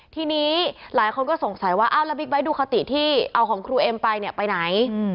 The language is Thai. ทีนี้หลายคนก็สงสัยว่าอ้าวแล้วบิ๊กไบท์ดูคติที่เอาของครูเอ็มไปเนี่ยไปไหน